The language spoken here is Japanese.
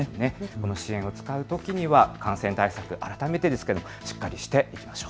この支援を使うときには感染対策、改めてしっかりしていきましょう。